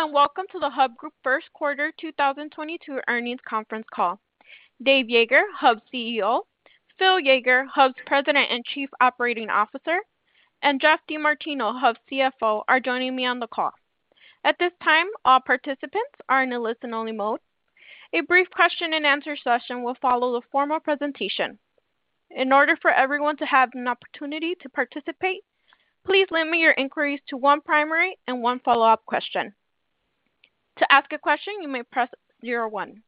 Hello, and welcome to the Hub Group first quarter 2022 earnings conference call. Dave Yeager, Hub's CEO, Phil Yeager, Hub's President and Chief Operating Officer, and Geoff DeMartino, Hub's CFO, are joining me on the call. At this time, all participants are in a listen-only mode. A brief question-and-answer session will follow the formal presentation. In order for everyone to have an opportunity to participate, please limit your inquiries to one primary and one follow-up question. To ask a question, you may press zero one.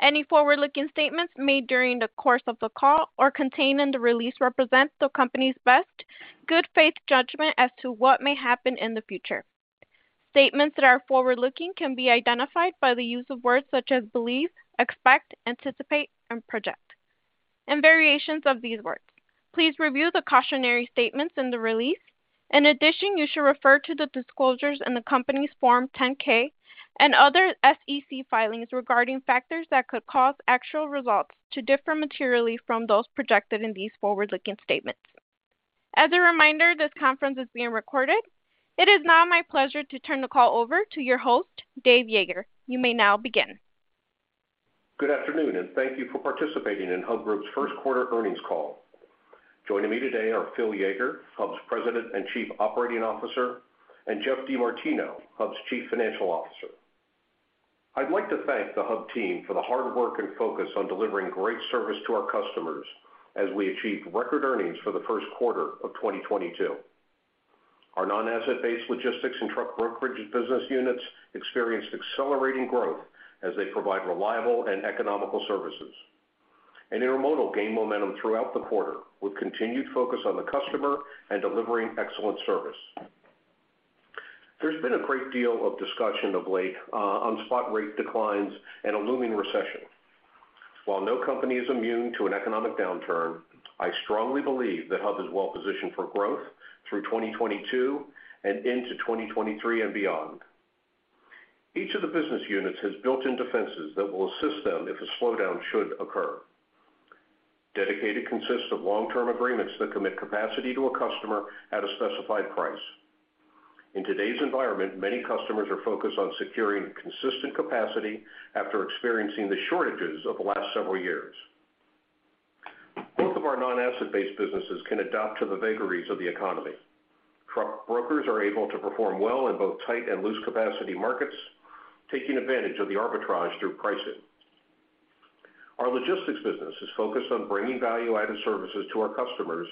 Any forward-looking statements made during the course of the call or contained in the release represent the company's best good faith judgment as to what may happen in the future. Statements that are forward-looking can be identified by the use of words such as believe, expect, anticipate, and project, and variations of these words. Please review the cautionary statements in the release. In addition, you should refer to the disclosures in the company's Form 10-K and other SEC filings regarding factors that could cause actual results to differ materially from those projected in these forward-looking statements. As a reminder, this conference is being recorded. It is now my pleasure to turn the call over to your host, Dave Yeager. You may now begin. Good afternoon, and thank you for participating in Hub Group's first quarter earnings call. Joining me today are Phil Yeager, Hub's President and Chief Operating Officer, and Geoff DeMartino, Hub's Chief Financial Officer. I'd like to thank the Hub team for the hard work and focus on delivering great service to our customers as we achieved record earnings for the first quarter of 2022. Our non-asset-based logistics and truck brokerage business units experienced accelerating growth as they provide reliable and economical services. Intermodal gained momentum throughout the quarter with continued focus on the customer and delivering excellent service. There's been a great deal of discussion of late on spot rate declines and a looming recession. While no company is immune to an economic downturn, I strongly believe that Hub is well positioned for growth through 2022 and into 2023 and beyond. Each of the business units has built-in defenses that will assist them if a slowdown should occur. Dedicated consists of long-term agreements that commit capacity to a customer at a specified price. In today's environment, many customers are focused on securing consistent capacity after experiencing the shortages of the last several years. Both of our non-asset-based businesses can adapt to the vagaries of the economy. Truck brokers are able to perform well in both tight and loose capacity markets, taking advantage of the arbitrage through pricing. Our logistics business is focused on bringing value-added services to our customers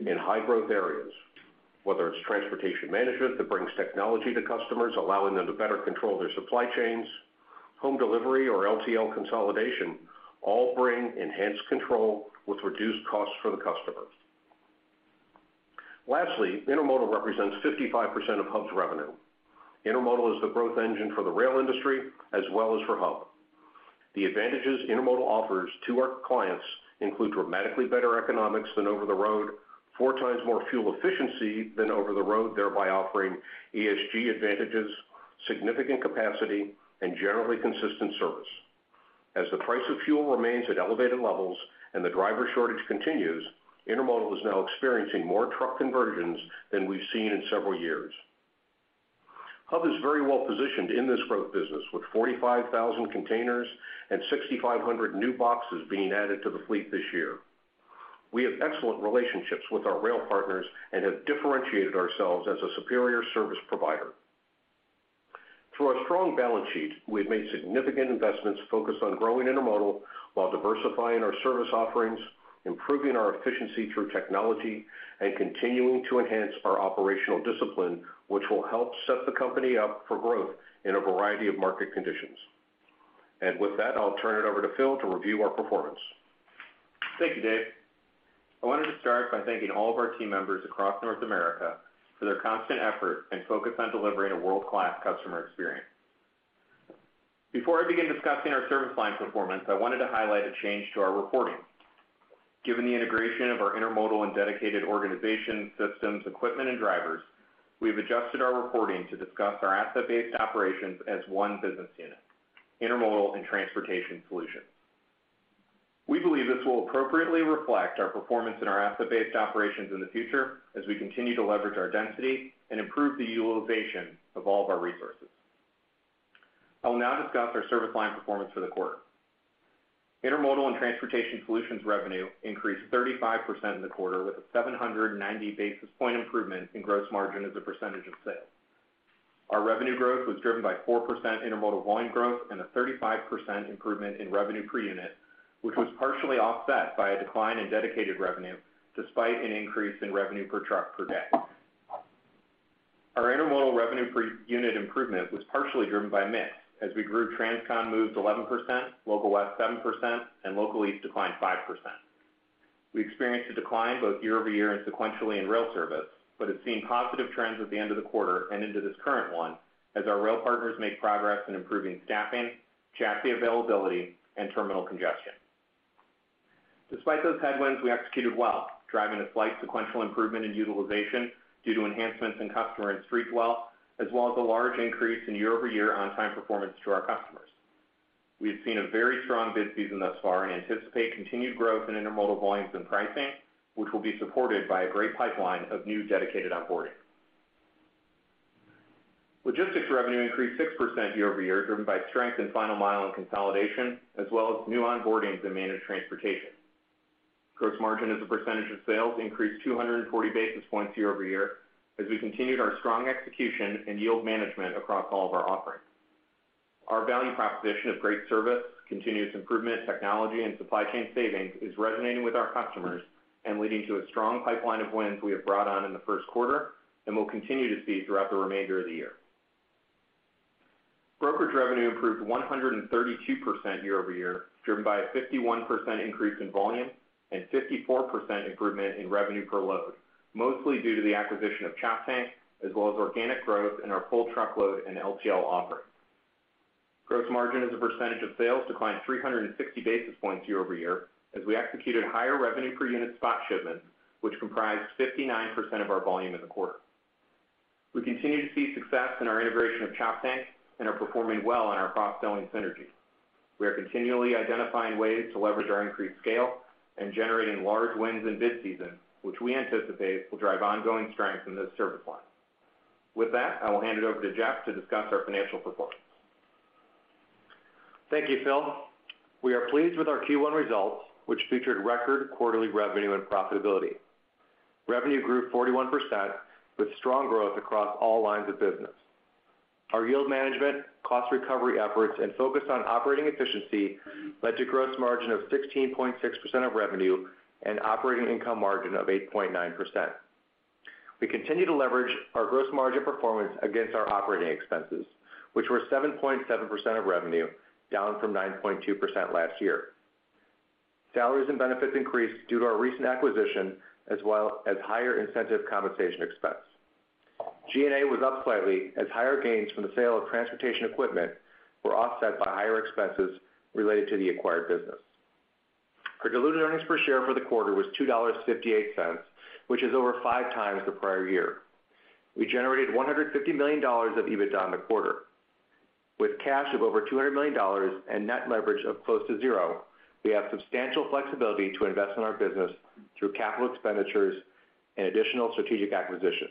in high-growth areas, whether it's transportation management that brings technology to customers, allowing them to better control their supply chains, home delivery or LTL consolidation, all bring enhanced control with reduced costs for the customer. Lastly, intermodal represents 55% of Hub's revenue. Intermodal is the growth engine for the rail industry as well as for Hub. The advantages intermodal offers to our clients include dramatically better economics than over-the-road, 4x more fuel efficiency than over-the-road, thereby offering ESG advantages, significant capacity, and generally consistent service. As the price of fuel remains at elevated levels and the driver shortage continues, intermodal is now experiencing more truck conversions than we've seen in several years. Hub is very well positioned in this growth business with 45,000 containers and 6,500 new boxes being added to the fleet this year. We have excellent relationships with our rail partners and have differentiated ourselves as a superior service provider. Through our strong balance sheet, we have made significant investments focused on growing intermodal while diversifying our service offerings, improving our efficiency through technology, and continuing to enhance our operational discipline, which will help set the company up for growth in a variety of market conditions. With that, I'll turn it over to Phil to review our performance. Thank you, Dave. I wanted to start by thanking all of our team members across North America for their constant effort and focus on delivering a world-class customer experience. Before I begin discussing our service line performance, I wanted to highlight a change to our reporting. Given the integration of our intermodal and dedicated organization, systems, equipment, and drivers, we've adjusted our reporting to discuss our asset-based operations as one business unit, Intermodal and Transportation Solutions. We believe this will appropriately reflect our performance in our asset-based operations in the future as we continue to leverage our density and improve the utilization of all of our resources. I will now discuss our service line performance for the quarter. Intermodal and Transportation Solutions revenue increased 35% in the quarter, with a 790 basis point improvement in gross margin as a percentage of sales. Our revenue growth was driven by 4% intermodal volume growth and a 35% improvement in revenue per unit, which was partially offset by a decline in dedicated revenue despite an increase in revenue per truck per day. Our intermodal revenue per unit improvement was partially driven by mix as we grew Transcon moves 11%, Local West 7%, and Local East declined 5%. We experienced a decline both year-over-year and sequentially in rail service, but have seen positive trends at the end of the quarter and into this current one as our rail partners make progress in improving staffing, chassis availability, and terminal congestion. Despite those headwinds, we executed well, driving a slight sequential improvement in utilization due to enhancements in customer and street, well, as well as a large increase in year-over-year on-time performance to our customers. We've seen a very strong bid season thus far, and anticipate continued growth in intermodal volumes and pricing, which will be supported by a great pipeline of new dedicated onboarding. Logistics revenue increased 6% year-over-year, driven by strength in Final Mile and Consolidation, as well as new onboardings and Managed Transportation. Gross margin as a percentage of sales increased 240 basis points year-over-year, as we continued our strong execution and yield management across all of our offerings. Our value proposition of great service, continuous improvement technology, and supply chain savings is resonating with our customers and leading to a strong pipeline of wins we have brought on in the first quarter, and will continue to see throughout the remainder of the year. Brokerage revenue improved 132% year-over-year, driven by a 51% increase in volume and 54% improvement in revenue per load, mostly due to the acquisition of Choptank, as well as organic growth in our full truckload and LTL offerings. Gross margin as a percentage of sales declined 360 basis points year-over-year, as we executed higher revenue per unit spot shipments, which comprised 59% of our volume in the quarter. We continue to see success in our integration of Choptank and are performing well on our cross-selling synergies. We are continually identifying ways to leverage our increased scale and generating large wins in bid season, which we anticipate will drive ongoing strength in this service line. With that, I will hand it over to Geof to discuss our financial performance. Thank you, Phil. We are pleased with our Q1 results, which featured record quarterly revenue and profitability. Revenue grew 41%, with strong growth across all lines of business. Our yield management, cost recovery efforts, and focus on operating efficiency led to gross margin of 16.6% of revenue and operating income margin of 8.9%. We continue to leverage our gross margin performance against our operating expenses, which were 7.7% of revenue, down from 9.2% last year. Salaries and benefits increased due to our recent acquisition, as well as higher incentive compensation expense. G&A was up slightly as higher gains from the sale of transportation equipment were offset by higher expenses related to the acquired business. Our diluted earnings per share for the quarter was $2.58, which is over five times the prior year. We generated $150 million of EBITDA in the quarter. With cash of over $200 million and net leverage of close to zero, we have substantial flexibility to invest in our business through capital expenditures and additional strategic acquisitions.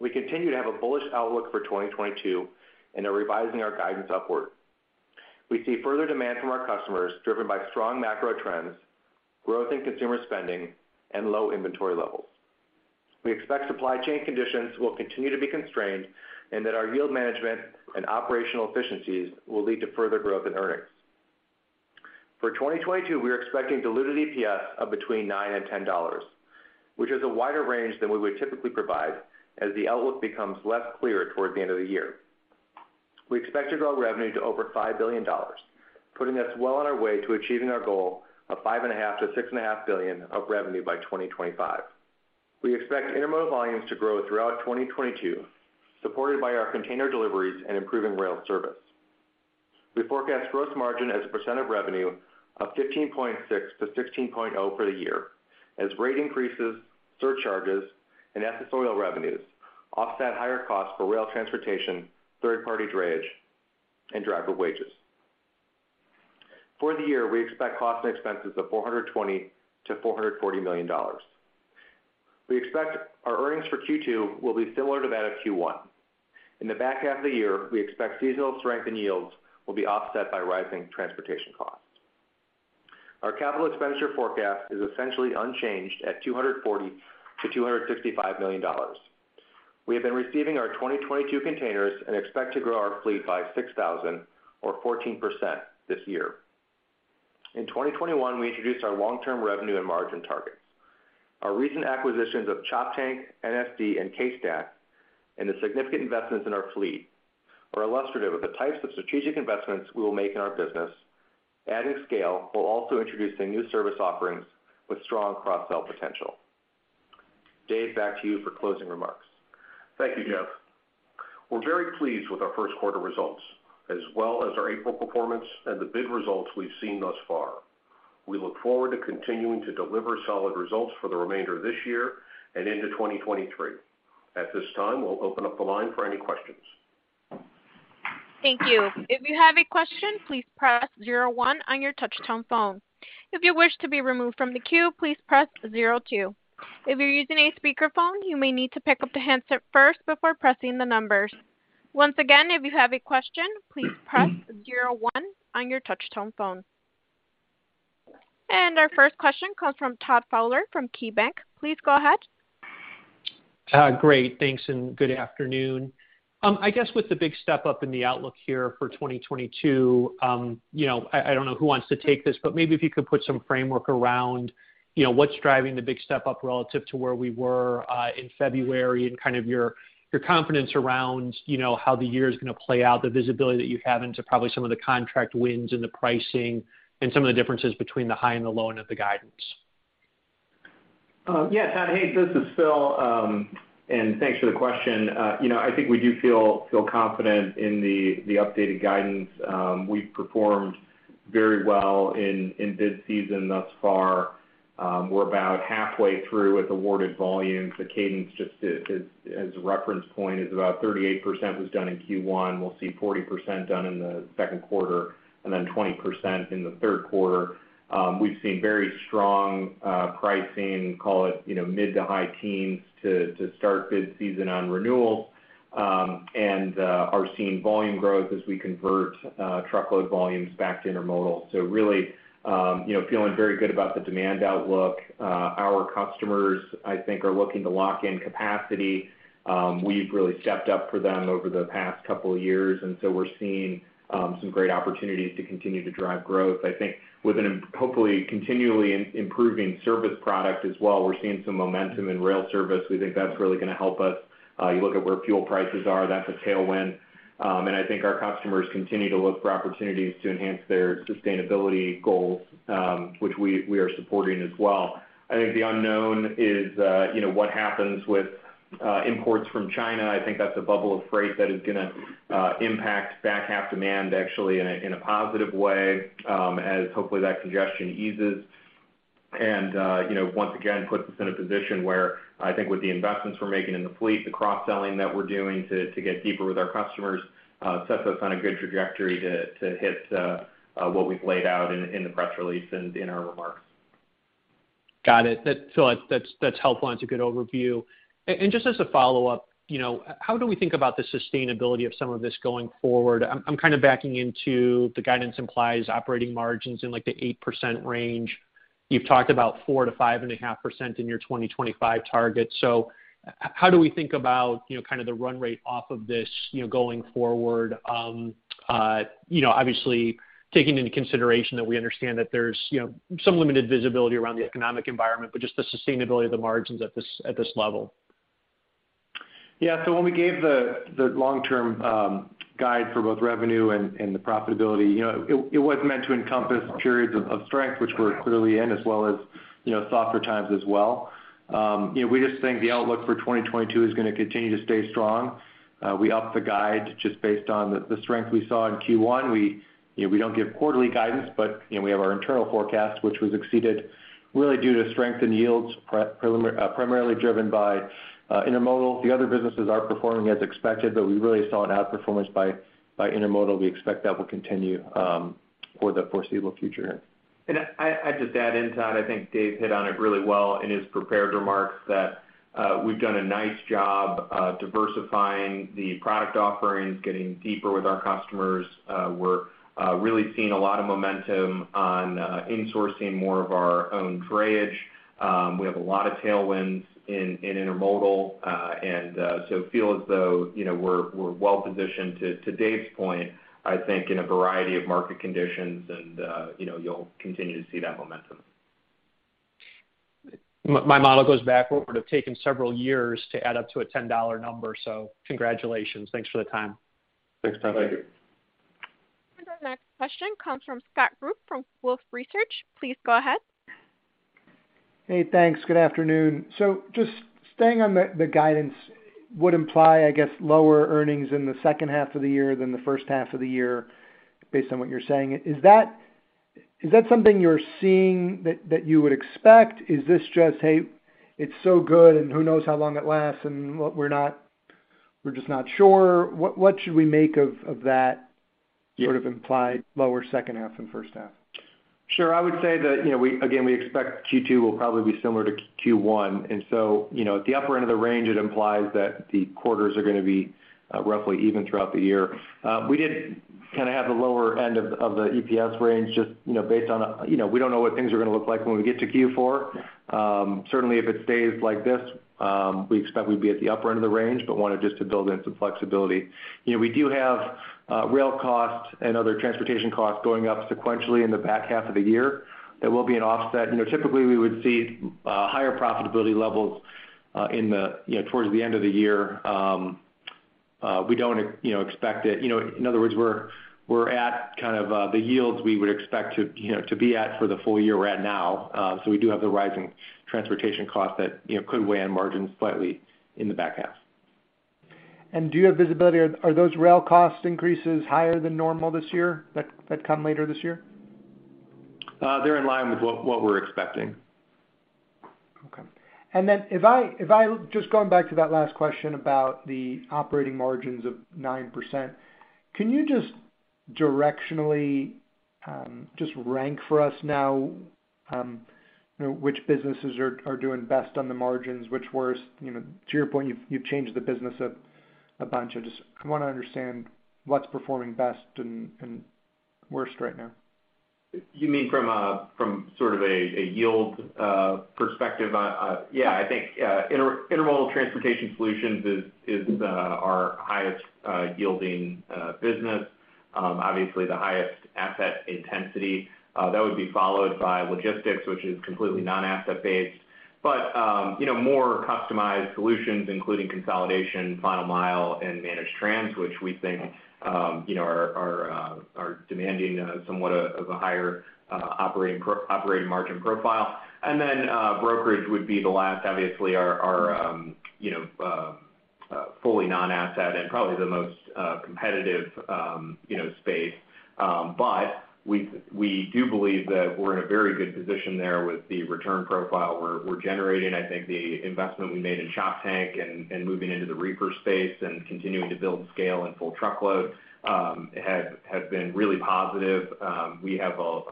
We continue to have a bullish outlook for 2022 and are revising our guidance upward. We see further demand from our customers driven by strong macro trends, growth in consumer spending, and low inventory levels. We expect supply chain conditions will continue to be constrained, and that our yield management and operational efficiencies will lead to further growth in earnings. For 2022, we are expecting diluted EPS of between $9 and $10, which is a wider range than we would typically provide, as the outlook becomes less clear towards the end of the year. We expect to grow revenue to over $5 billion, putting us well on our way to achieving our goal of $5.5 billion-$6.5 billion of revenue by 2025. We expect intermodal volumes to grow throughout 2022, supported by our container deliveries and improving rail service. We forecast gross margin as a percent of revenue of 15.6%-16.0% for the year, as rate increases, surcharges, and accessorial revenues offset higher costs for rail transportation, third-party drayage, and driver wages. For the year, we expect costs and expenses of $420 million-$440 million. We expect our earnings for Q2 will be similar to that of Q1. In the back half of the year, we expect seasonal strength in yields will be offset by rising transportation costs. Our capital expenditure forecast is essentially unchanged at $240 million-$255 million. We have been receiving our 2022 containers and expect to grow our fleet by 6,000 or 14% this year. In 2021, we introduced our long-term revenue and margin targets. Our recent acquisitions of Choptank, NSD, and CaseStack, and the significant investments in our fleet are illustrative of the types of strategic investments we will make in our business, adding scale, while also introducing new service offerings with strong cross-sell potential. Dave, back to you for closing remarks. Thank you, Geoff. We're very pleased with our first quarter results, as well as our April performance and the bid results we've seen thus far. We look forward to continuing to deliver solid results for the remainder of this year and into 2023. At this time, we'll open up the line for any questions. Thank you. If you have a question, please press zero one on your touch-tone phone. If you wish to be removed from the queue, please press zero two. If you're using a speakerphone, you may need to pick up the handset first before pressing the numbers. Once again, if you have a question, please press zero one on your touch-tone phone. Our first question comes from Todd Fowler from KeyBanc. Please go ahead. Great. Thanks, and good afternoon. I guess with the big step-up in the outlook here for 2022, you know, I don't know who wants to take this, but maybe if you could put some framework around, you know, what's driving the big step-up relative to where we were in February and kind of your confidence around, you know, how the year is gonna play out, the visibility that you have into probably some of the contract wins and the pricing and some of the differences between the high and the low end of the guidance. Yeah, Todd. Hey, this is Phil. Thanks for the question. You know, I think we do feel confident in the updated guidance. We performed very well in bid season thus far. We're about halfway through with awarded volumes. The cadence is as a reference point about 38% was done in Q1. We'll see 40% done in the second quarter and then 20% in the third quarter. We've seen very strong pricing, call it, you know, mid- to high-teens to start bid season on renewals. And are seeing volume growth as we convert truckload volumes back to intermodal. Really, you know, feeling very good about the demand outlook. Our customers, I think are looking to lock in capacity. We've really stepped up for them over the past couple of years, and so we're seeing some great opportunities to continue to drive growth. I think with hopefully continually improving service product as well. We're seeing some momentum in rail service. We think that's really gonna help us. You look at where fuel prices are, that's a tailwind. I think our customers continue to look for opportunities to enhance their sustainability goals, which we are supporting as well. I think the unknown is, you know, what happens with imports from China. I think that's a bubble of freight that is gonna impact back half demand actually in a positive way, as hopefully that congestion eases. You know, once again, puts us in a position where I think with the investments we're making in the fleet, the cross-selling that we're doing to get deeper with our customers, sets us on a good trajectory to hit what we've laid out in the press release and in our remarks. Got it. So that's helpful and it's a good overview. Just as a follow-up, you know, how do we think about the sustainability of some of this going forward? I'm kind of backing into the guidance implies operating margins in like the 8% range. You've talked about 4%-5.5% in your 2025 targets. How do we think about, you know, kind of the run rate off of this, you know, going forward? You know, obviously taking into consideration that we understand that there's, you know, some limited visibility around the economic environment, but just the sustainability of the margins at this level. Yeah. When we gave the long-term guide for both revenue and the profitability, you know, it was meant to encompass periods of strength, which we're clearly in, as well as, you know, softer times as well. You know, we just think the outlook for 2022 is gonna continue to stay strong. We upped the guide just based on the strength we saw in Q1. We, you know, we don't give quarterly guidance, but, you know, we have our internal forecast, which was exceeded really due to strength in yields primarily driven by intermodal. The other businesses are performing as expected, but we really saw an outperformance by intermodal. We expect that will continue for the foreseeable future. I'll just add into that. I think Dave hit on it really well in his prepared remarks that we've done a nice job diversifying the product offerings, getting deeper with our customers. We're really seeing a lot of momentum on insourcing more of our own drayage. We have a lot of tailwinds in intermodal. Feel as though, you know, we're well positioned, to Dave's point, I think, in a variety of market conditions. You know, you'll continue to see that momentum. My model goes back, would've taken several years to add up to a $10 number, so congratulations. Thanks for the time. Thanks, Todd. Thank you. Our next question comes from Scott Group from Wolfe Research. Please go ahead. Hey, thanks. Good afternoon. Just staying on the guidance would imply, I guess, lower earnings in the second half of the year than the first half of the year, based on what you're saying. Is that something you're seeing that you would expect? Is this just, hey, it's so good and who knows how long it lasts, and we're just not sure? What should we make of that sort of implied lower second half than first half? Sure. I would say that, you know, we, again, expect Q2 will probably be similar to Q1. You know, at the upper end of the range, it implies that the quarters are gonna be roughly even throughout the year. We did kinda have the lower end of the EPS range just, you know, based on, you know, we don't know what things are gonna look like when we get to Q4. Certainly if it stays like this, we expect we'd be at the upper end of the range, but wanted just to build in some flexibility. You know, we do have rail costs and other transportation costs going up sequentially in the back half of the year. That will be an offset. You know, typically, we would see higher profitability levels in the, you know, towards the end of the year. We don't, you know, expect it. You know, in other words, we're at kind of the yields we would expect to, you know, to be at for the full year we're at now. We do have the rising transportation costs that, you know, could weigh on margins slightly in the back half. Do you have visibility? Are those rail cost increases higher than normal this year, that come later this year? They're in line with what we're expecting. If I just going back to that last question about the operating margins of 9%, can you just directionally just rank for us now, you know, which businesses are doing best on the margins, which worst? You know, to your point, you've changed the business a bunch. I just want to understand what's performing best and worst right now. You mean from a yield perspective? Yeah, I think Intermodal Transportation Solutions is our highest yielding business. Obviously the highest asset intensity. That would be followed by logistics, which is completely non-asset-based. You know, more customized solutions, including consolidation, final mile, and managed trans, which we think you know are demanding somewhat of a higher operating margin profile. Then brokerage would be the last. Obviously our fully non-asset and probably the most competitive you know space. We do believe that we're in a very good position there with the return profile we're generating. I think the investment we made in Choptank and moving into the reefer space and continuing to build scale in full truckload has been really positive. We have a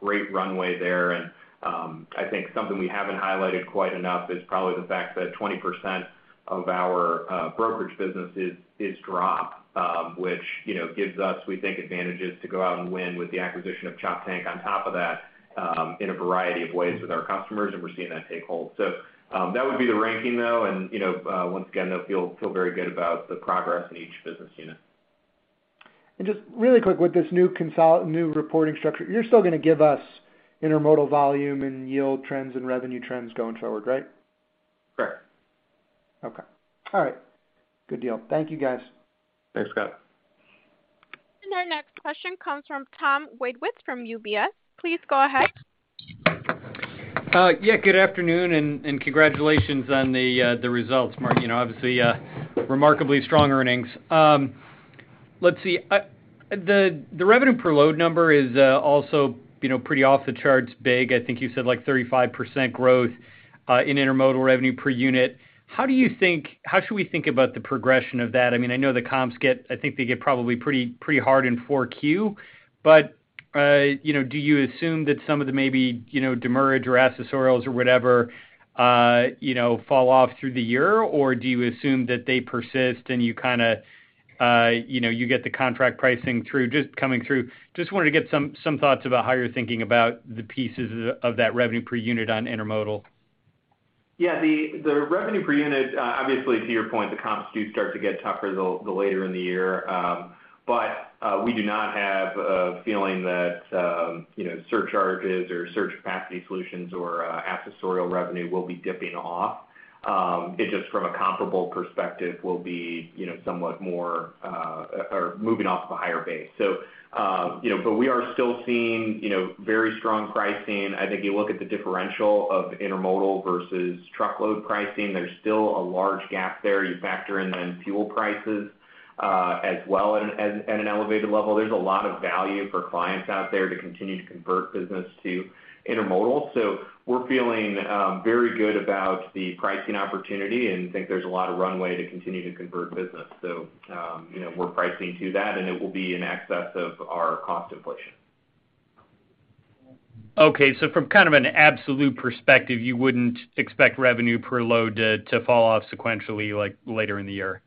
great runway there, and I think something we haven't highlighted quite enough is probably the fact that 20% of our brokerage business is dry, which, you know, gives us, we think, advantages to go out and win with the acquisition of Choptank on top of that in a variety of ways with our customers, and we're seeing that take hold. That would be the ranking, though. You know, once again, though, feel very good about the progress in each business unit. Just really quick, with this new reporting structure, you're still gonna give us intermodal volume and yield trends and revenue trends going forward, right? Correct. Okay. All right. Good deal. Thank you, guys. Thanks, Scott. Our next question comes from Tom Wadewitz from UBS. Please go ahead. Yeah, good afternoon, and congratulations on the results, Mark. You know, obviously, remarkably strong earnings. Let's see. The revenue per load number is also, you know, pretty off the charts big. I think you said, like, 35% growth in intermodal revenue per unit. How should we think about the progression of that? I mean, I know the comps get, I think they get probably pretty hard in Q4. You know, do you assume that some of the maybe, you know, demurrage or accessorials or whatever, you know, fall off through the year? Or do you assume that they persist, and you kinda, you know, you get the contract pricing through, just coming through? Just wanted to get some thoughts about how you're thinking about the pieces of that revenue per unit on intermodal. Yeah. The revenue per unit, obviously to your point, the comps do start to get tougher the later in the year. We do not have a feeling that, you know, surcharges or surge capacity solutions or accessorial revenue will be dipping off. It just from a comparable perspective will be, you know, somewhat more or moving off of a higher base. You know, but we are still seeing, you know, very strong pricing. I think you look at the differential of intermodal versus truckload pricing, there's still a large gap there. You factor in then fuel prices as well at an elevated level. There's a lot of value for clients out there to continue to convert business to intermodal. We're feeling very good about the pricing opportunity and think there's a lot of runway to continue to convert business. You know, we're pricing to that, and it will be in excess of our cost inflation. Okay. From kind of an absolute perspective, you wouldn't expect revenue per load to fall off sequentially like later in the year?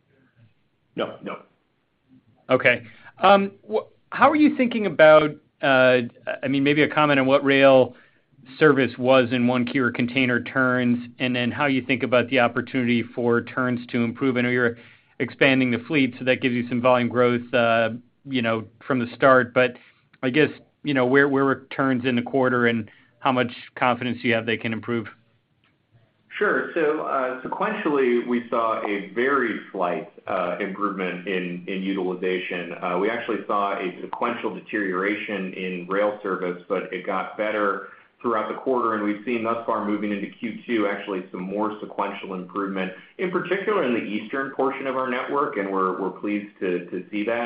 No, no. Okay. How are you thinking about, I mean, maybe a comment on what rail service was in Q1 or container turns, and then how you think about the opportunity for turns to improve. I know you're expanding the fleet, so that gives you some volume growth, you know, from the start. I guess, you know, where were turns in the quarter and how much confidence do you have they can improve? Sure. Sequentially, we saw a very slight improvement in utilization. We actually saw a sequential deterioration in rail service, but it got better throughout the quarter, and we've seen thus far moving into Q2 actually some more sequential improvement, in particular in the eastern portion of our network, and we're pleased to see that.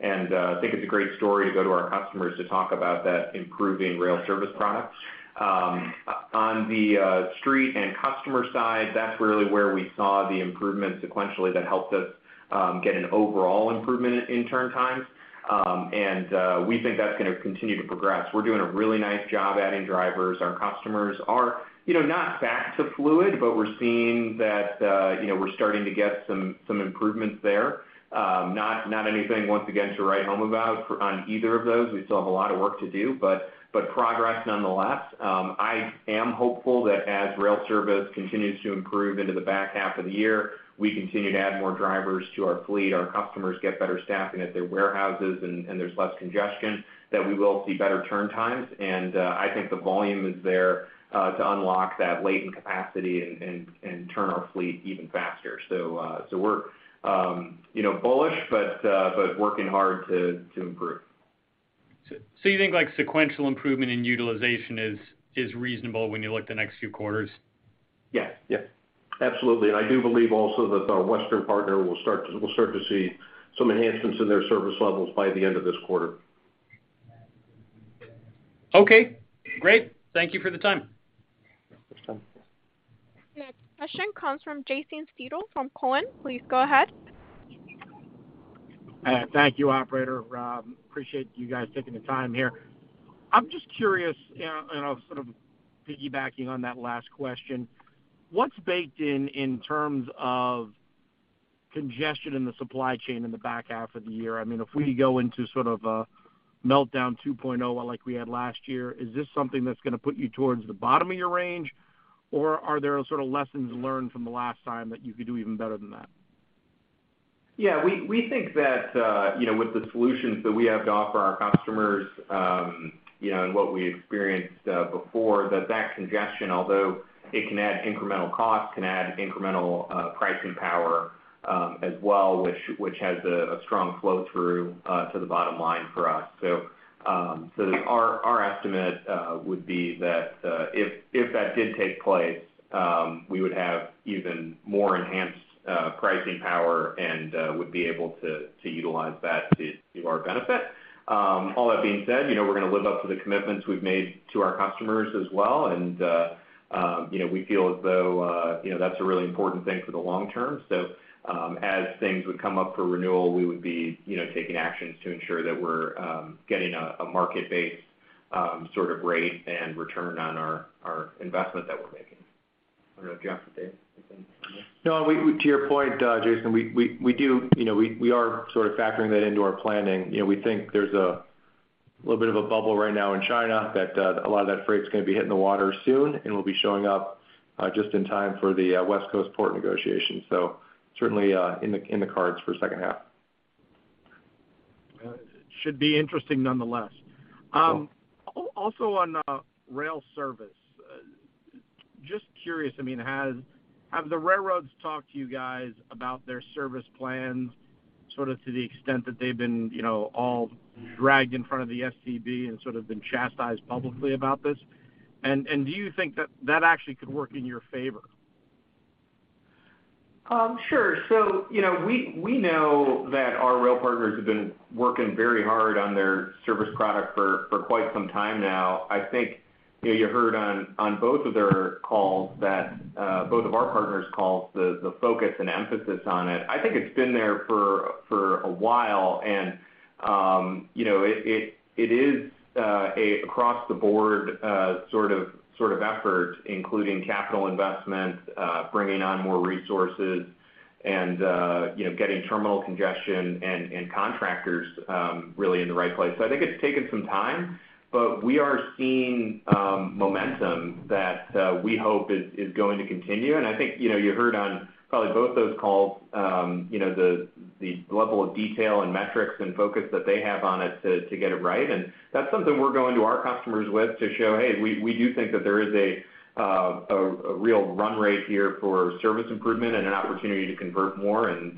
Think it's a great story to go to our customers to talk about that improving rail service product. On the street and customer side, that's really where we saw the improvement sequentially that helped us get an overall improvement in turn times. We think that's gonna continue to progress. We're doing a really nice job adding drivers. Our customers are, you know, not back to fluid, but we're seeing that, you know, we're starting to get some improvements there. Not anything, once again, to write home about on either of those. We still have a lot of work to do, but progress nonetheless. I am hopeful that as rail service continues to improve into the back half of the year, we continue to add more drivers to our fleet, our customers get better staffing at their warehouses and there's less congestion, that we will see better turn times. I think the volume is there to unlock that latent capacity and turn our fleet even faster. We're, you know, bullish, but working hard to improve. You think like sequential improvement in utilization is reasonable when you look at the next few quarters? Yes. Yes. Absolutely. I do believe also that our western partner will start to see some enhancements in their service levels by the end of this quarter. Okay. Great. Thank you for the time. Thanks, Tom. The next question comes from Jason Seidl from Cowen. Please go ahead. Thank you, operator. Appreciate you guys taking the time here. I'm just curious, you know, and I'll sort of piggybacking on that last question. What's baked in in terms of congestion in the supply chain in the back half of the year? I mean, if we go into sort of a meltdown 2.0 like we had last year, is this something that's gonna put you towards the bottom of your range, or are there sort of lessons learned from the last time that you could do even better than that? Yeah, we think that, you know, with the solutions that we have to offer our customers, you know, and what we experienced before, that congestion, although it can add incremental cost, can add incremental pricing power as well, which has a strong flow through to the bottom line for us. So, our estimate would be that, if that did take place, we would have even more enhanced pricing power and would be able to utilize that to our benefit. All that being said, you know, we're gonna live up to the commitments we've made to our customers as well. You know, we feel as though, you know, that's a really important thing for the long term. As things would come up for renewal, we would be, you know, taking actions to ensure that we're getting a market-based sort of rate and return on our investment that we're making. I don't know if Jeff had anything to say. No. To your point, Jason, we do, you know, we are sort of factoring that into our planning. You know, we think there's a little bit of a bubble right now in China that a lot of that freight is gonna be hitting the water soon and will be showing up just in time for the West Coast port negotiations. Certainly in the cards for second half. It should be interesting nonetheless. Also on rail service, just curious, I mean, have the railroads talked to you guys about their service plans, sort of to the extent that they've been, you know, all dragged in front of the STB and sort of been chastised publicly about this? Do you think that actually could work in your favor? Sure. You know, we know that our rail partners have been working very hard on their service product for quite some time now. I think you know, you heard on both of their calls that both of our partners calls the focus and emphasis on it. I think it's been there for a while. You know, it is a across the board sort of effort, including capital investment, bringing on more resources and you know, getting terminal congestion and contractors really in the right place. I think it's taken some time, but we are seeing momentum that we hope is going to continue. I think, you know, you heard on probably both those calls, you know, the level of detail and metrics and focus that they have on it to get it right. That's something we're going to our customers with to show, hey, we do think that there is a real run rate here for service improvement and an opportunity to convert more. You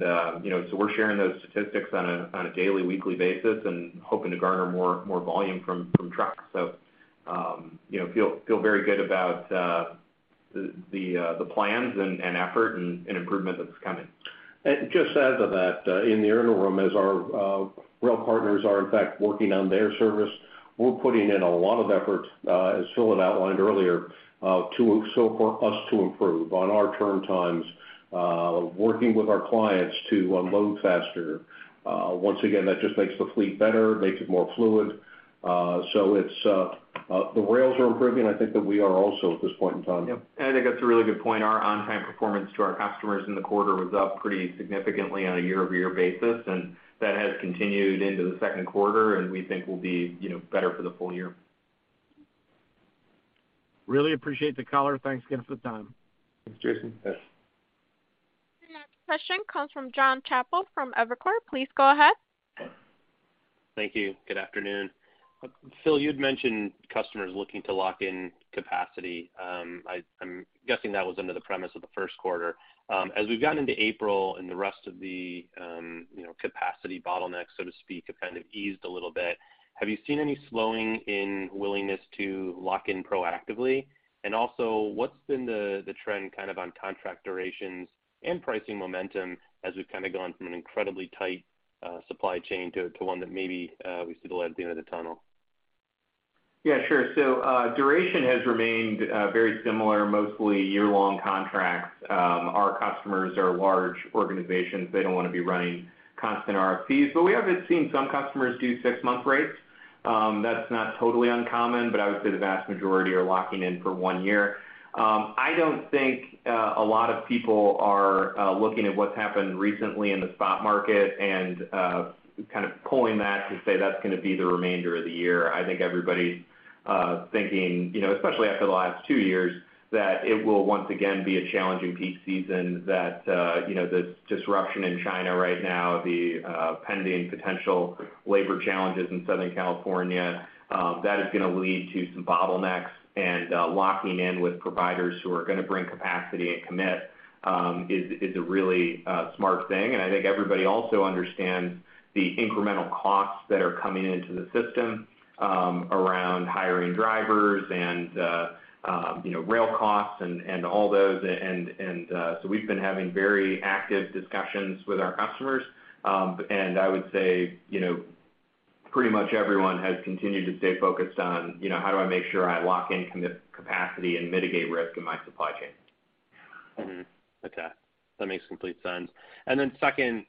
know, we're sharing those statistics on a daily, weekly basis and hoping to garner more volume from trucks. You know, feel very good about the plans and effort and improvement that's coming. Just add to that, in the interim, as our rail partners are in fact working on their service, we're putting in a lot of effort, as Phil had outlined earlier, to also for us to improve on our turn times, working with our clients to unload faster. Once again, that just makes the fleet better, makes it more fluid. It's the rails are improving. I think that we are also at this point in time. Yep. I think that's a really good point. Our on-time performance to our customers in the quarter was up pretty significantly on a year-over-year basis, and that has continued into the second quarter, and we think we'll be, you know, better for the full year. Really appreciate the color. Thanks again for the time. Thanks, Jason. Yes. The next question comes from Jonathan Chappell from Evercore. Please go ahead. Thank you. Good afternoon. Phil, you'd mentioned customers looking to lock in capacity. I'm guessing that was under the premise of the first quarter. As we've gotten into April and the rest of the, you know, capacity bottlenecks, so to speak, have kind of eased a little bit, have you seen any slowing in willingness to lock in proactively? Also what's been the trend kind of on contract durations and pricing momentum as we've kind of gone from an incredibly tight supply chain to one that maybe we see the light at the end of the tunnel? Yeah, sure. Duration has remained very similar, mostly year-long contracts. Our customers are large organizations. They don't wanna be running constant RFPs. We have seen some customers do six-month rates. That's not totally uncommon, but I would say the vast majority are locking in for one year. I don't think a lot of people are looking at what's happened recently in the spot market and kind of pulling that to say that's gonna be the remainder of the year. I think everybody thinking, you know, especially after the last two years, that it will once again be a challenging peak season that, you know, the disruption in China right now, the pending potential labor challenges in Southern California, that is gonna lead to some bottlenecks. Locking in with providers who are gonna bring capacity and commit is a really smart thing. I think everybody also understands the incremental costs that are coming into the system around hiring drivers and you know, rail costs and all those. We've been having very active discussions with our customers. I would say you know, pretty much everyone has continued to stay focused on you know, how do I make sure I lock in commit capacity and mitigate risk in my supply chain? Okay. That makes complete sense. Second,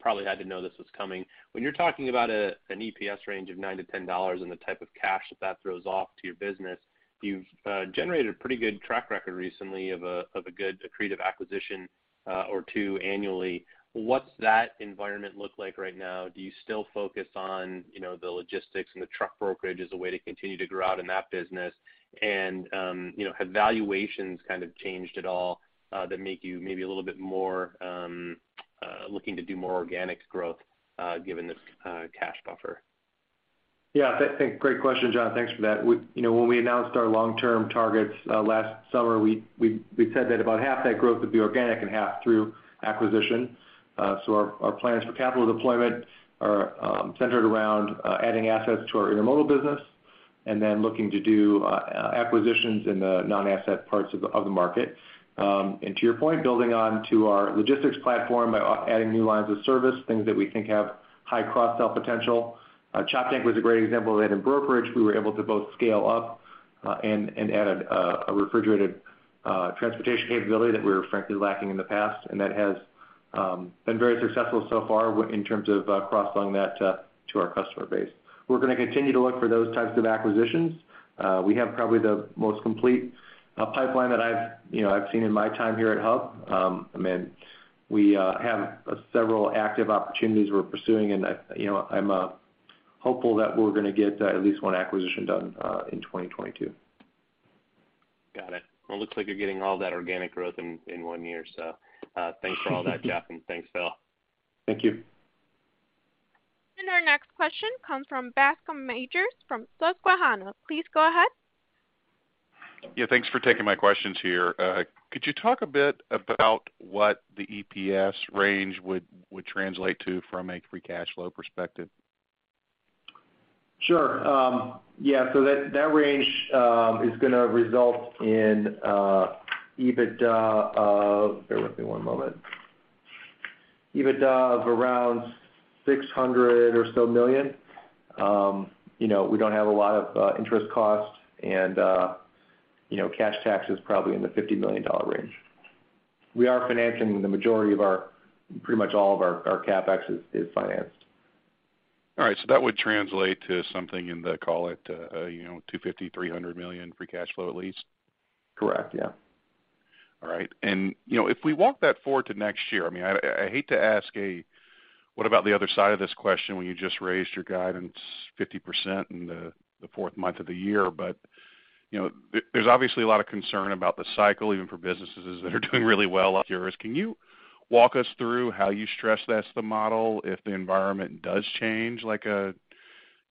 probably had to know this was coming. When you're talking about an EPS range of $9-$10 and the type of cash that throws off to your business, you've generated a pretty good track record recently of a good accretive acquisition or two annually. What's that environment look like right now? Do you still focus on, you know, the logistics and the truck brokerage as a way to continue to grow out in that business? You know, have valuations kind of changed at all that make you maybe a little bit more looking to do more organic growth given this cash buffer? Yeah. Great question, John. Thanks for that. We, you know, when we announced our long-term targets, last summer, we said that about half that growth would be organic and half through acquisition. So our plans for capital deployment are centered around adding assets to our intermodal business and then looking to do acquisitions in the non-asset parts of the market. To your point, building on to our logistics platform by adding new lines of service, things that we think have high cross-sell potential. Choptank was a great example of that. In brokerage, we were able to both scale up and add a refrigerated transportation capability that we were frankly lacking in the past. That has been very successful so far in terms of cross-selling that to our customer base. We're gonna continue to look for those types of acquisitions. We have probably the most complete pipeline that I've you know seen in my time here at Hub. I mean, we have several active opportunities we're pursuing, and I you know I'm hopeful that we're gonna get at least one acquisition done in 2022. Got it. Well, looks like you're getting all that organic growth in one year. Thanks for all that, Jeff, and thanks, Phil. Thank you. Our next question comes from Bascome Majors from Susquehanna. Please go ahead. Yeah, thanks for taking my questions here. Could you talk a bit about what the EPS range would translate to from a free cash flow perspective? Sure. That range is gonna result in EBITDA of around $600 million or so. Bear with me one moment. You know, we don't have a lot of interest costs and you know, cash tax is probably in the $50 million range. We are financing the majority of our CapEx. Pretty much all of our CapEx is financed. All right. That would translate to something in the, call it, you know, $250 million-$300 million free cash flow at least? Correct. Yeah. All right. You know, if we walk that forward to next year, I mean, I hate to ask, what about the other side of this question when you just raised your guidance 50% in the fourth month of the year. You know, there's obviously a lot of concern about the cycle, even for businesses that are doing really well up here. Can you walk us through how you stress test the model if the environment does change like, you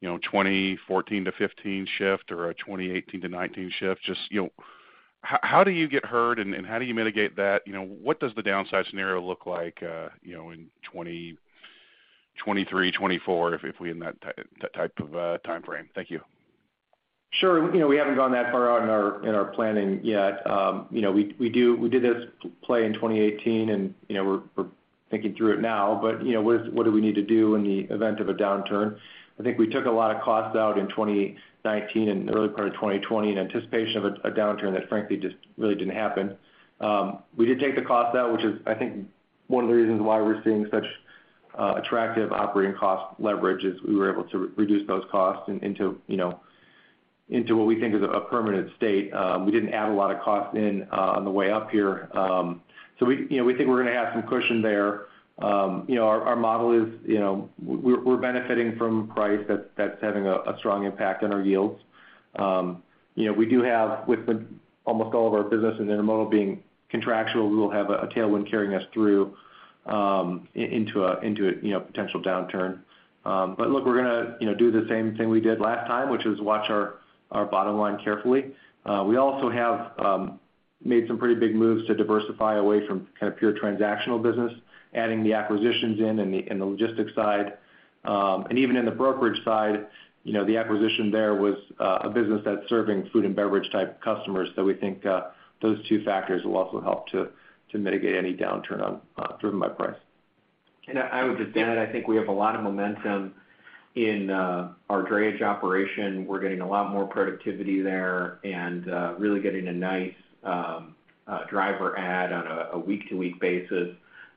know, a 2014 to 2015 shift or a 2018 to 2019 shift? Just, you know, how do you get hurt and how do you mitigate that? You know, what does the downside scenario look like, you know, in 2023, 2024 if we're in that type of timeframe? Thank you. Sure. You know, we haven't gone that far out in our planning yet. You know, we did this play in 2018 and, you know, we're thinking through it now. You know, what do we need to do in the event of a downturn? I think we took a lot of costs out in 2019 and early part of 2020 in anticipation of a downturn that frankly just really didn't happen. We did take the costs out, which is, I think, one of the reasons why we're seeing such attractive operating cost leverage, is we were able to reduce those costs into, you know, into what we think is a permanent state. We didn't add a lot of costs in on the way up here. We, you know, we think we're gonna have some cushion there. You know, our model is, you know, we're benefiting from price. That's having a strong impact on our yields. You know, we do have, with almost all of our business in intermodal being contractual, we will have a tailwind carrying us through into a, you know, potential downturn. Look, we're gonna, you know, do the same thing we did last time, which was watch our bottom line carefully. We also have made some pretty big moves to diversify away from kind of pure transactional business, adding the acquisitions in the logistics side. Even in the brokerage side, you know, the acquisition there was a business that's serving food and beverage type customers. We think those two factors will also help to mitigate any downturn on, driven by price. I would just add, I think we have a lot of momentum in our drayage operation. We're getting a lot more productivity there and really getting a nice driver add on a week-to-week basis.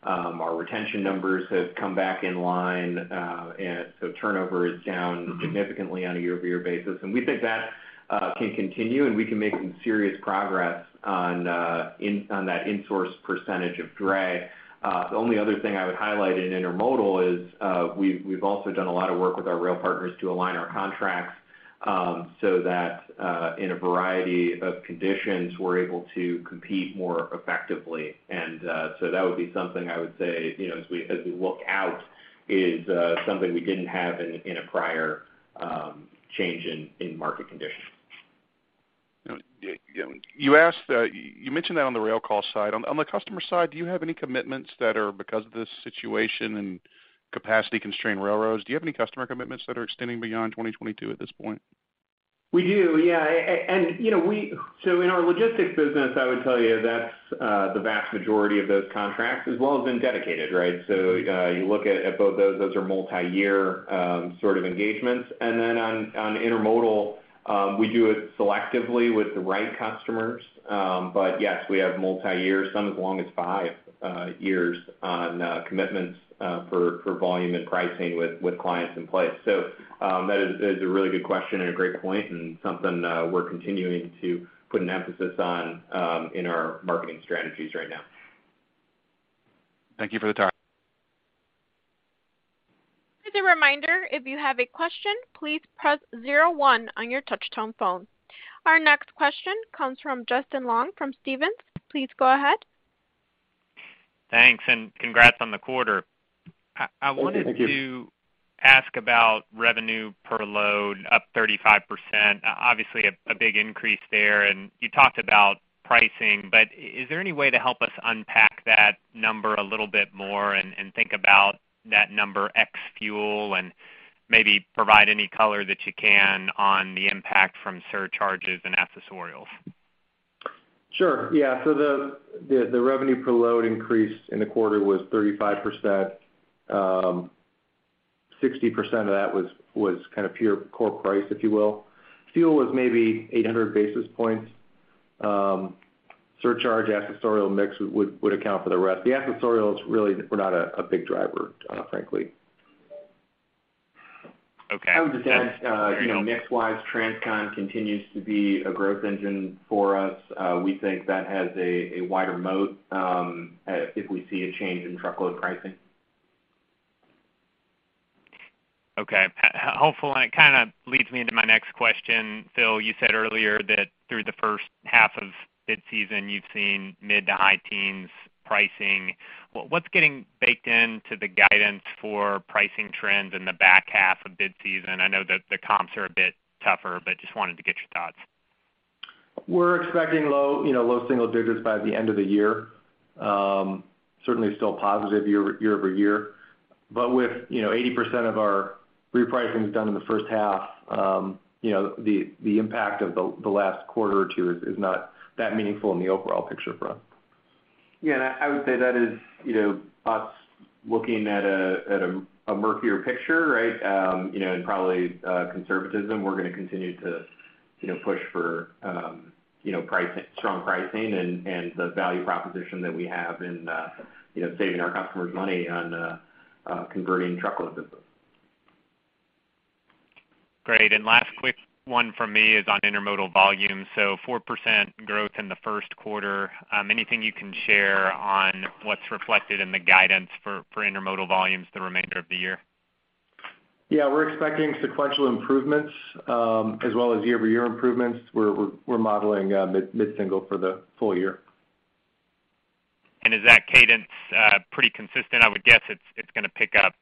Our retention numbers have come back in line. Turnover is down significantly on a year-over-year basis. We think that can continue, and we can make some serious progress on that insourced percentage of dray. The only other thing I would highlight in intermodal is we've also done a lot of work with our rail partners to align our contracts so that in a variety of conditions, we're able to compete more effectively. That would be something I would say, you know, as we look out, something we didn't have in a prior change in market conditions. Yeah. You asked, you mentioned that on the rail cost side. On the customer side, do you have any commitments that are because of this situation and capacity-constrained railroads? Do you have any customer commitments that are extending beyond 2022 at this point? We do. Yeah. You know, so in our logistics business, I would tell you that's the vast majority of those contracts, as well as in dedicated, right? You look at both those. Those are multi-year sort of engagements. On intermodal, we do it selectively with the right customers. Yes, we have multi-year, some as long as five years on commitments for volume and pricing with clients in place. That is a really good question and a great point and something we're continuing to put an emphasis on in our marketing strategies right now. Thank you for the time. As a reminder, if you have a question, please press zero one on your touch-tone phone. Our next question comes from Justin Long from Stephens. Please go ahead. Thanks, and congrats on the quarter. Thank you. I wanted to ask about revenue per load up 35%. Obviously a big increase there, and you talked about pricing, but is there any way to help us unpack that number a little bit more and think about that number ex fuel, and maybe provide any color that you can on the impact from surcharges and accessorials? Sure. Yeah. The revenue per load increase in the quarter was 35%. 60% of that was kind of pure core price, if you will. Fuel was maybe 800 basis points. Surcharge, accessorial mix would account for the rest. The accessorials really were not a big driver, frankly. Okay. I would just add, you know, mix wise, Transcon continues to be a growth engine for us. We think that has a wider moat if we see a change in truckload pricing. It kinda leads me into my next question. Phil, you said earlier that through the first half of bid season, you've seen mid- to high-teens pricing. What's getting baked into the guidance for pricing trends in the back half of bid season? I know that the comps are a bit tougher, but just wanted to get your thoughts. We're expecting low, you know, low single digits by the end of the year. Certainly still positive year over year. With, you know, 80% of our repricings done in the first half, you know, the impact of the last quarter or two is not that meaningful in the overall picture for us. Yeah. I would say that is, you know, us looking at a murkier picture, right? You know, and probably conservatism. We're gonna continue to, you know, push for, you know, strong pricing and the value proposition that we have in, you know, saving our customers money on converting truckload business. Great. Last quick one from me is on intermodal volume. So 4% growth in the first quarter. Anything you can share on what's reflected in the guidance for intermodal volumes the remainder of the year? Yeah, we're expecting sequential improvements as well as year-over-year improvements. We're modeling mid-single for the full year. Is that cadence pretty consistent? I would guess it's gonna pick up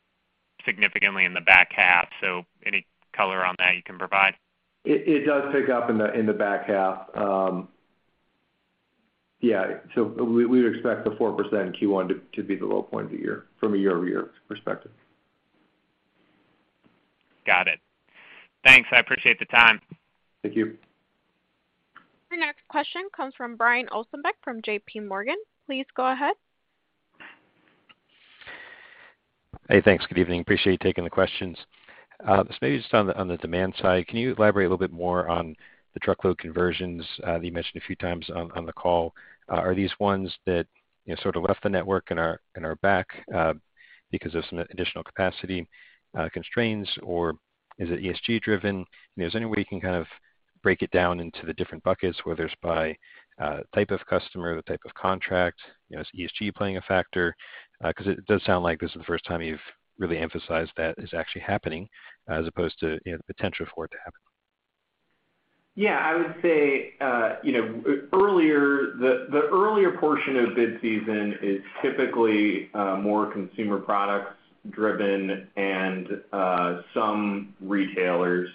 significantly in the back half, so any color on that you can provide? It does pick up in the back half. Yeah, we would expect the 4% in Q1 to be the low point of the year from a year-over-year perspective. Got it. Thanks. I appreciate the time. Thank you. Our next question comes from Brian Ossenbeck from JPMorgan. Please go ahead. Hey, thanks. Good evening. Appreciate you taking the questions. So maybe just on the demand side, can you elaborate a little bit more on the truckload conversions that you mentioned a few times on the call? Are these ones that, you know, sort of left the network and are back because of some additional capacity constraints, or is it ESG driven? You know, is there any way you can kind of break it down into the different buckets, whether it's by type of customer, the type of contract? You know, is ESG playing a factor? 'Cause it does sound like this is the first time you've really emphasized that is actually happening as opposed to, you know, the potential for it to happen. Yeah, I would say, you know, earlier. The earlier portion of bid season is typically more consumer products driven and some retailers.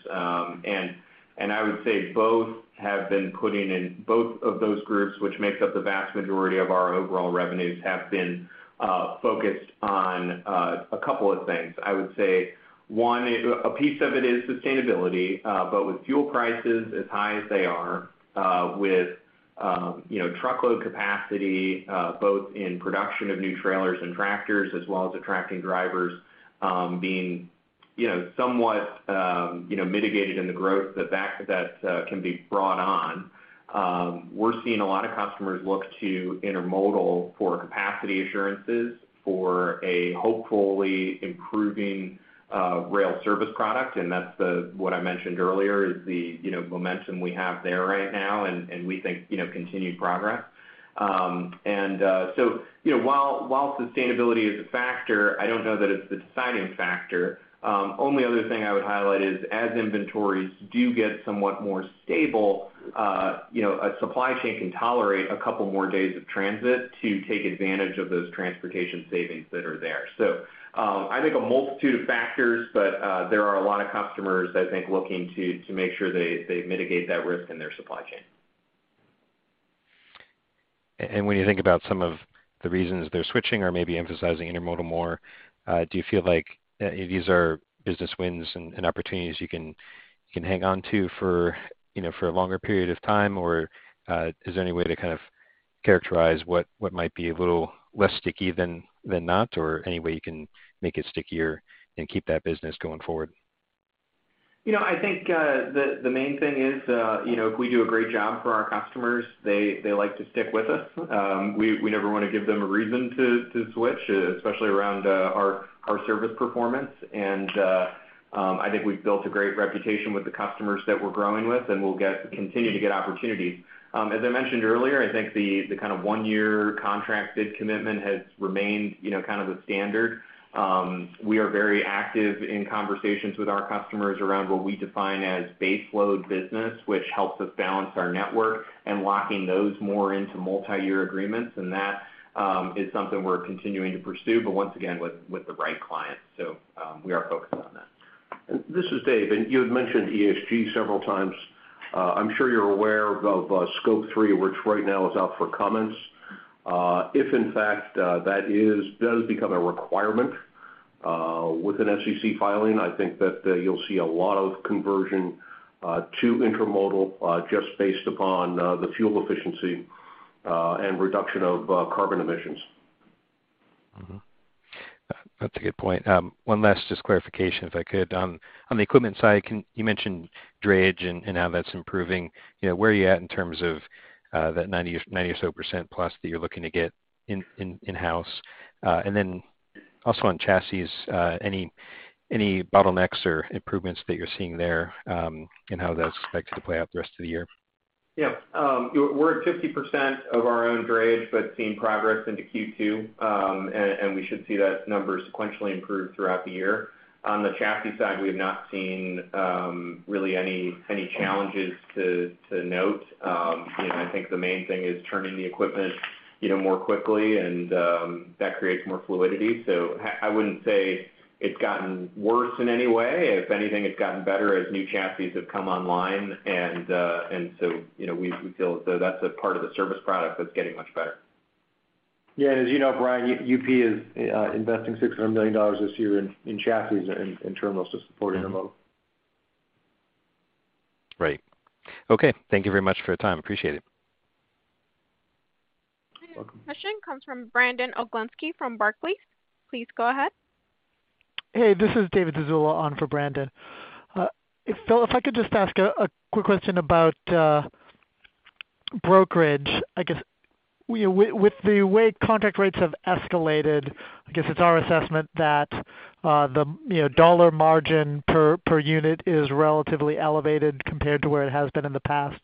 I would say both have been putting in, both of those groups, which makes up the vast majority of our overall revenues, have been focused on a couple of things. I would say one, a piece of it is sustainability. With fuel prices as high as they are, with you know, truckload capacity, both in production of new trailers and tractors as well as attracting drivers, being you know, somewhat you know, mitigated in the growth, the fact that can be brought on. We're seeing a lot of customers look to intermodal for capacity assurances for a hopefully improving rail service product, and that's what I mentioned earlier, the momentum we have there right now and we think continued progress. You know, while sustainability is a factor, I don't know that it's the deciding factor. Only other thing I would highlight is as inventories do get somewhat more stable, you know, a supply chain can tolerate a couple more days of transit to take advantage of those transportation savings that are there. I think a multitude of factors, but there are a lot of customers looking to make sure they mitigate that risk in their supply chain. When you think about some of the reasons they're switching or maybe emphasizing intermodal more, do you feel like these are business wins and opportunities you can hang on to for, you know, for a longer period of time? Or, is there any way to kind of characterize what might be a little less sticky than not, or any way you can make it stickier and keep that business going forward? You know, I think the main thing is, you know, if we do a great job for our customers, they like to stick with us. We never wanna give them a reason to switch, especially around our service performance. I think we've built a great reputation with the customers that we're growing with, and we'll continue to get opportunities. As I mentioned earlier, I think the kind of one-year contract bid commitment has remained, you know, kind of the standard. We are very active in conversations with our customers around what we define as base load business, which helps us balance our network and locking those more into multiyear agreements, and that is something we're continuing to pursue, but once again, with the right clients. We are focused on that. This is Dave, and you had mentioned ESG several times. I'm sure you're aware of Scope 3, which right now is out for comments. If in fact that does become a requirement with an SEC filing, I think that you'll see a lot of conversion to intermodal just based upon the fuel efficiency and reduction of carbon emissions. Mm-hmm. That's a good point. One last just clarification, if I could. On the equipment side, you mentioned drayage and how that's improving. You know, where are you at in terms of that 90 or so percent plus that you're looking to get in-house? Then also on chassis, any bottlenecks or improvements that you're seeing there, and how that's expected to play out the rest of the year? Yeah, we're at 50% of our own drayage, but seeing progress into Q2. We should see that number sequentially improve throughout the year. On the chassis side, we have not seen really any challenges to note. You know, I think the main thing is turning the equipment you know more quickly and that creates more fluidity. I wouldn't say it's gotten worse in any way. If anything, it's gotten better as new chassis have come online. You know, we feel as though that's a part of the service product that's getting much better. Yeah. As you know, Brian, Union Pacific is investing $600 million this year in chassis and terminals to support intermodal. Right. Okay. Thank you very much for your time. Appreciate it. Welcome. Question comes from Brandon Oglenski from Barclays. Please go ahead. Hey, this is David Zazula on for Brandon. If Phil, if I could just ask a quick question about brokerage. I guess with the way contract rates have escalated, I guess it's our assessment that the, you know, dollar margin per unit is relatively elevated compared to where it has been in the past.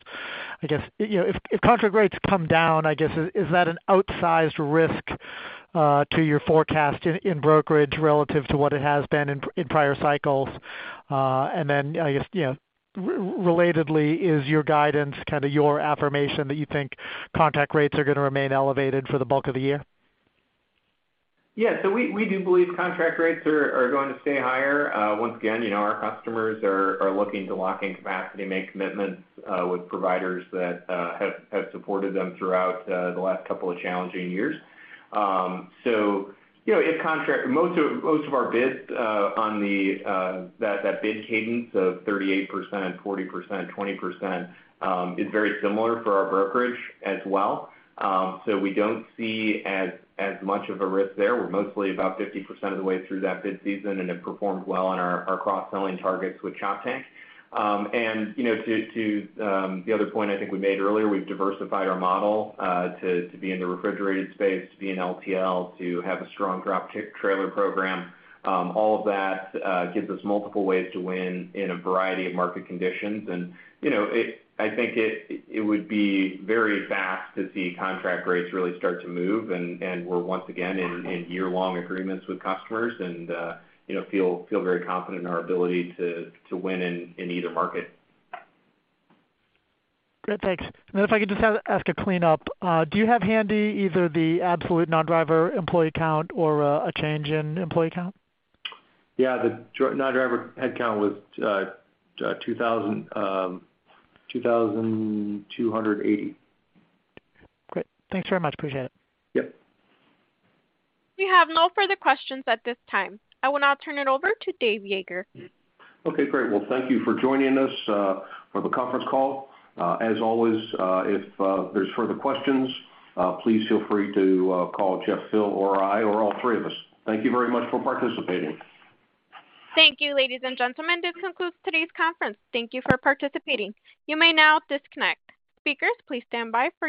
I guess, you know, if contract rates come down, I guess, is that an outsized risk to your forecast in brokerage relative to what it has been in prior cycles? And then, I guess, you know, relatedly, is your guidance kind of your affirmation that you think contract rates are gonna remain elevated for the bulk of the year? Yeah. We do believe contract rates are going to stay higher. Once again, you know, our customers are looking to lock in capacity, make commitments with providers that have supported them throughout the last couple of challenging years. Most of our bids on that bid cadence of 38%, 40%, 20% is very similar for our brokerage as well. We don't see as much of a risk there. We're mostly about 50% of the way through that bid season, and it performs well on our cross-selling targets with Choptank. You know, to the other point I think we made earlier, we've diversified our model to be in the refrigerated space, to be in LTL, to have a strong drop deck trailer program. All of that gives us multiple ways to win in a variety of market conditions. You know, I think it would be very fast to see contract rates really start to move, and we're once again in year-long agreements with customers and you know feel very confident in our ability to win in either market. Great. Thanks. If I could just ask a cleanup. Do you have handy either the absolute non-driver employee count or, a change in employee count? Yeah. The non-driver headcount was 2,280. Great. Thanks very much. Appreciate it. Yep. We have no further questions at this time. I will now turn it over to Dave Yeager. Okay, great. Well, thank you for joining us for the conference call. As always, if there's further questions, please feel free to call Jeff, Phil, or I, or all three of us. Thank you very much for participating. Thank you, ladies and gentlemen. This concludes today's conference. Thank you for participating. You may now disconnect. Speakers, please stand by for your.